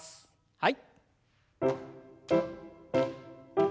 はい。